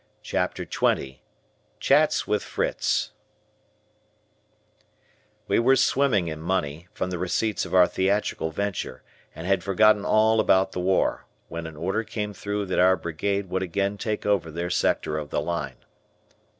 CHAPTER XX "CHATS WITH FRITZ" We were swimming in money, from the receipts of our theatrical venture, and had forgotten all about the war, when an order came through that our Brigade would again take over their sector of the line.